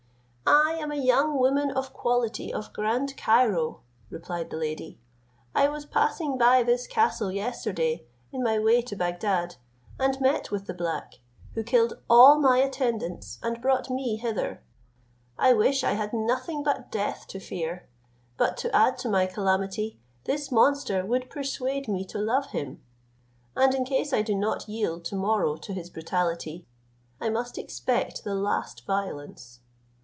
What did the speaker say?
"I am a young woman of quality of Grand Cairo," replied the lady; "I was passing by this castle yesterday, in my way to Bagdad, and met with the black, who killed all my attendants, and brought me hither; I wish I had nothing but death to fear, but to add to my calamity, this monster would persuade me to love him, and, in case I do not yield to morrow to his brutality, I must expect the last violence.